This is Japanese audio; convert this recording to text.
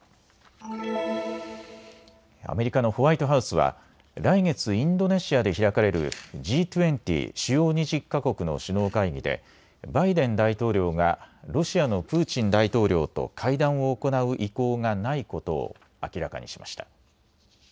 アメリカのホワイトハウスは来月、インドネシアで開かれるＧ２０・主要２０か国の首脳会議でバイデン大統領がロシアのプーチン大統領と会談を行う意向がないことを明らかにしました。